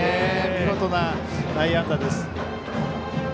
見事な内野安打です。